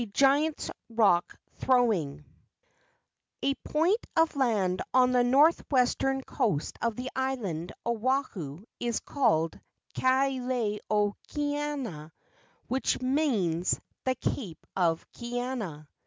GIANT'S ROCK THROWING POINT of land on the northwestern coast of the island Oahu is called Ka lae o Kaena which means "The Cape of Kaena."